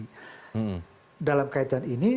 hmm dalam kaitan ini